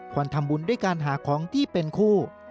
วันทำบุญด้วยการหาของที่เป็นคู่